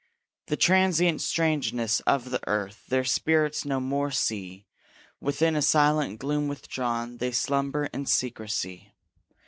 The transient strangeness of the earth Their spirits no more see: Within a silent gloom withdrawn, They slumber in secrecy.